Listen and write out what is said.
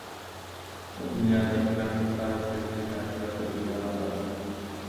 نه دنیا د آخرت لپاره پریږدئ نه آخرت د دنیا لپاره.